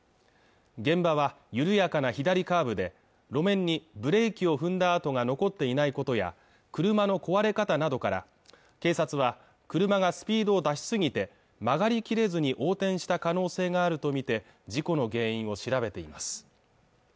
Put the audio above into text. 現場は緩やかな左カーブで路面にブレーキを踏んだ跡が残っていないことや車の壊れ方などから警察は車がスピードを出し過ぎて曲がり切れずに横転した可能性があるとみて事故の原因を調べています